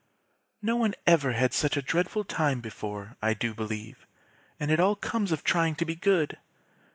"No one ever had such a dreadful time before, I do believe, and it all comes of trying to be good.